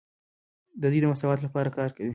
دوی د مساوات لپاره کار کوي.